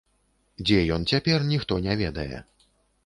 Дзе ён цяпер, ніхто не ведае.